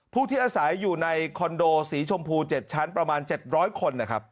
ผู้ที่อาศัยอยู่ในคอนโดสีชมพู๗ชั้นประมาณ๗๐๐คนนะครับ